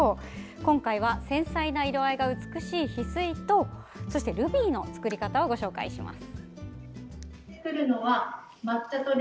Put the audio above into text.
今回は繊細な色合いが美しいヒスイとルビーの作り方をご紹介します。